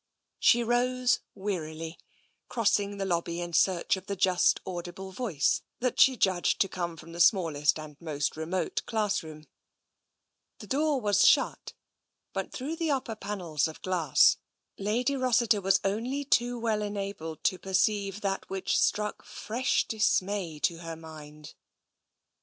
She rose wearily, crossing the lobby in search of the TENSION 185 just audible voice that she judged to come from the smallest and most remote classroom. The door was shut, but through the upper panels of glass Lady Ros siter was only too well enabled to perceive that which struck fresh dismay to her mind.